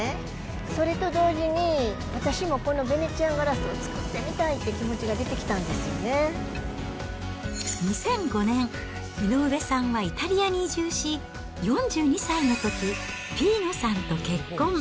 それと同時に、私もこのヴェネツィアンガラスを作ってみたいって気持ちが出てき２００５年、井上さんはイタリアに移住し、４２歳のとき、ピーノさんと結婚。